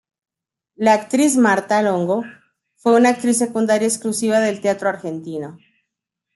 La actriz Marta Longo fue una actriz secundaria exclusiva del teatro argentino.